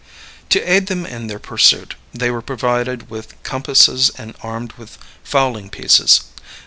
To aid them in their pursuit, they were provided with compasses and armed with fowling pieces.